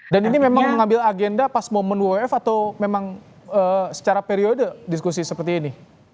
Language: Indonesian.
dan ini memang mengambil agenda pas momen wwf atau memang secara periode diskusi seperti ini